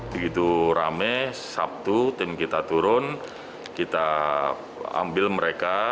begitu rame sabtu tim kita turun kita ambil mereka